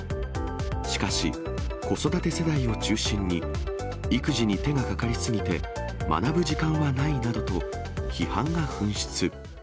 しかし、子育て世代を中心に、育児に手がかかり過ぎて、学ぶ時間はないなどと、批判が噴出。